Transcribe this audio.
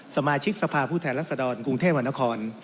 สมาชิกสภาพูดแถมรัสดรคุงเทพหวานธคร